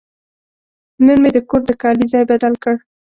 نن مې د کور د کالي ځای بدل کړ.